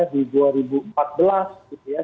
di dua ribu empat belas gitu ya